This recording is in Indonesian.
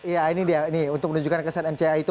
ya ini dia ini untuk menunjukkan kesan mca itu